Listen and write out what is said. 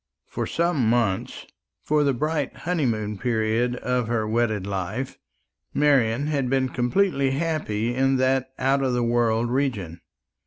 For some months for the bright honeymoon period of her wedded life Marian had been completely happy in that out of the world region.